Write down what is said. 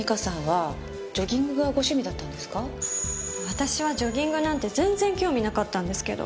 私はジョギングなんて全然興味なかったんですけど